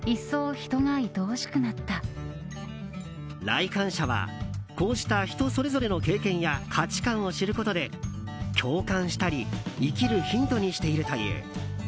来館者はこうした人それぞれの経験や価値観を知ることで共感したり生きるヒントにしているという。